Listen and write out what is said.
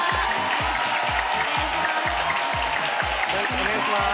お願いします！